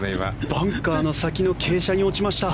バンカーの先の傾斜に落ちました。